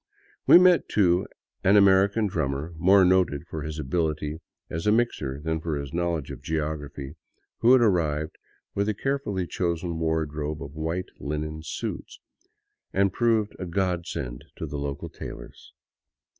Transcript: We met, too, an American " drummer," more noted for his ability as a " mixer " than for his knowledge of geography, who had arrived with a carefully chosen wardrobe of white linen suits — and proved a god send to the local tailors.